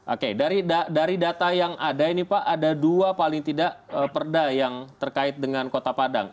oke dari data yang ada ini pak ada dua paling tidak perda yang terkait dengan kota padang